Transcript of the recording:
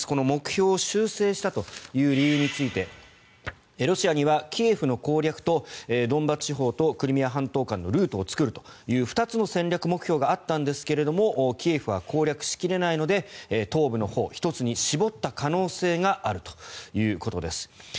目標を修正した理由についてロシアにはキエフの攻略とドンバス地方とクリミア半島間のルートを作るという２つの戦略目標があったんですがキエフは攻略しきれないので東部のほう１つに絞った可能性があるということです。